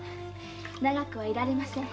長くは居られません。